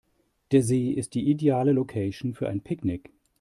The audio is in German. Der See ist die ideale Location für ein Picknick.